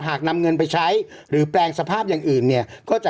หากนำเงินไปใช้หรือแปลงสภาพอย่างอื่นเนี่ยก็จะ